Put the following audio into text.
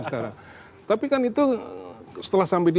sekarang tapi kan itu setelah sampai di